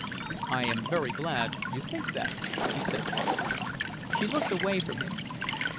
"I am very glad you think that," he said warmly. She looked away from him.